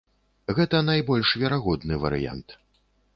Гэта найбольш верагодны варыянт.